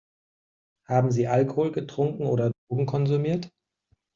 Haben Sie Alkohol getrunken oder Drogen konsumiert?